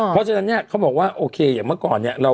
แต่ตอนนี้เขาบอกว่าโอเคอย่างเมื่อก่อนเนี่ย